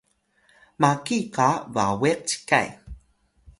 maki qa bawiq cikay